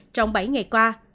trong bảy ngày qua